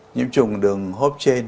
nhiễm trùng đường hốp trên